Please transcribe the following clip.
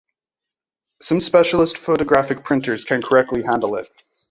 Some specialist photographic printers can correctly handle it.